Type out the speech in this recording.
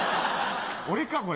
俺かこれ。